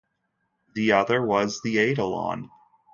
The other was "The Eidolon".